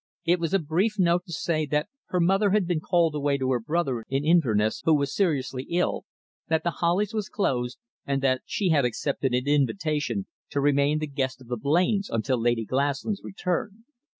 It was a brief note to say that her mother had been called away to her brother in Inverness, who was seriously ill, that The Hollies was closed, and that she had accepted an invitation to remain the guest of the Blains until Lady Glaslyn's return.